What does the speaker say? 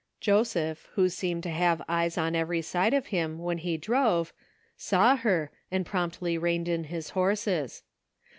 Joseph, who seemed to have eyes on every side of him when hp drove, saw her, and promptly reined in his horses.